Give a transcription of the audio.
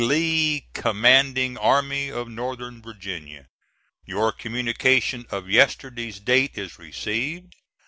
LEE, Commanding Army of N. Va. Your communication of yesterday's date is received.